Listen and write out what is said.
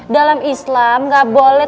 dalam islam gak boleh